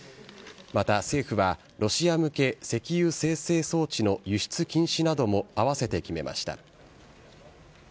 また政府は、ロシア向け石油精製装置の輸出禁止などもあわせて決めました。